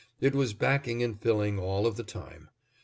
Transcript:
It was backing and filling all of the time.